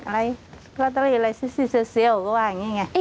ลอตเตอรี่อะไรเสียก็ว่าอย่างนี้แหง